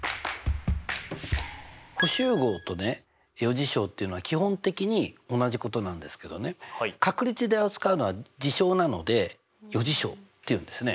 補集合とね余事象っていうのは基本的に同じことなんですけどね確率で扱うのは事象なので余事象っていうんですね。